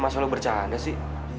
masalah lo bercanda sih